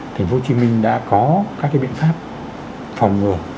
thành phố hồ chí minh đã có các biện pháp phòng ngừa